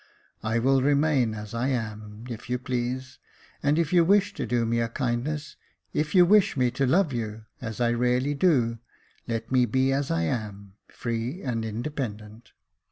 I will remain as I am, if you please ; and if you wish to do me a kindness ; if you wish me to love you, as I really do, let me be as I am — free and independent.